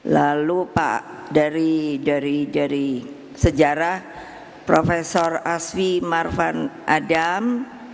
lalu pak dari sejarah prof aswi marvan adam